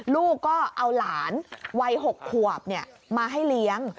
ลูกก็เอาหลานวัย๖ขวบมาให้เลี้ยง